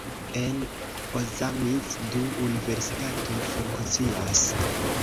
En Ozamiz du universitatoj funkcias.